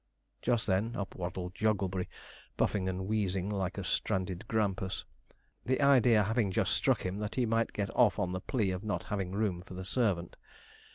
Just then up waddled Jogglebury, puffing and wheezing like a stranded grampus; the idea having just struck him that he might get off on the plea of not having room for the servant.